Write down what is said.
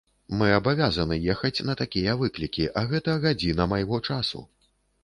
Мы абавязаны ехаць на такія выклікі, а гэта гадзіна майго часу.